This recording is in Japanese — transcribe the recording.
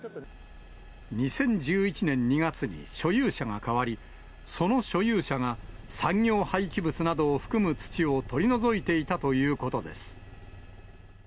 ２０１１年２月に所有者が変わり、その所有者が産業廃棄物などを含む土を取り除いていたということです。